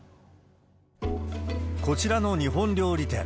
こちらの日本料理店。